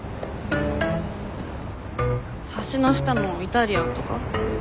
橋の下のイタリアンとか？